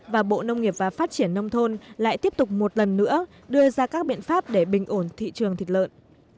và bộ nông nghiệp và phát triển nông thôn lại tiếp tục một lần nữa đưa ra các biện pháp để bình ổn thị trường thịt lợn